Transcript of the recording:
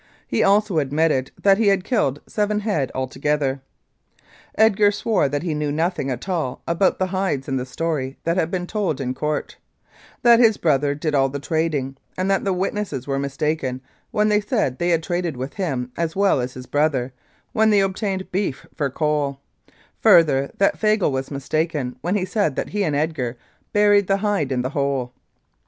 He also admitted that he had killed seven head altogether. Edgar swore that he knew nothing at all about the hides and the story that had been told in court ; that his brother did all the trading, and that the witnesses were mistaken when they said they had traded with him as well as with his brother when they obtained beef for coal ; further, that Fagle was mistaken when he said that he and Edgar buried the hide in the hole.